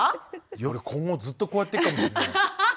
夜今後ずっとこうやってるかもしんない。